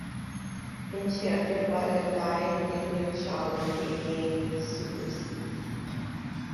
Enchanted by a dying Indian shaman, he gained super-speed.